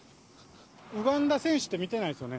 ウガンダ選手って見てないですよね？